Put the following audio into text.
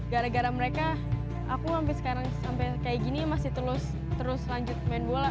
gara gara mereka aku sampai sekarang sampai kayak gini masih terus lanjut main bola